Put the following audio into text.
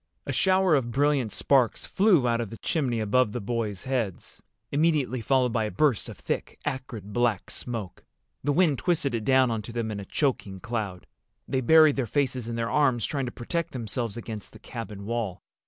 A shower of brilliant sparks flew out of the chimney above the boys' heads, immediately followed by a burst of thick acrid black smoke. The wind twisted it down onto them in a choking cloud. They buried their faces in their arms, trying to protect themselves against the cabin wall.